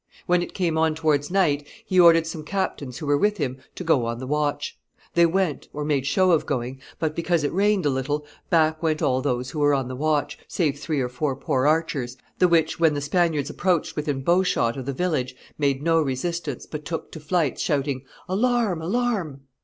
When it came on towards night, he ordered some captains who were with him to go on the watch. They went, or made show of going; but, because it rained a little, back went all those who were on the watch, save three or four poor archers, the which, when the Spaniards approached within bow shot of the village, made no resistance, but took to flight, shouting, 'Alarm alarm!